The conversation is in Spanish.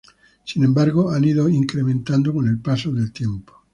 Sin embargo, han ido incrementando con el paso del tiempo.